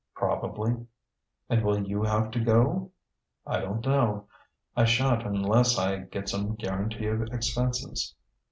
"Probably." "And will you have to go?" "I don't know. I shan't unless I get some guarantee of expenses.